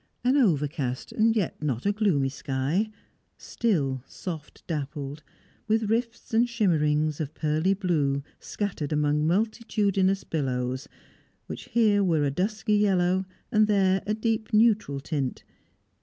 An overcast, yet not a gloomy sky; still, soft dappled; with rifts and shimmerings of pearly blue scattered among multitudinous billows, which here were a dusky yellow, there a deep neutral tint.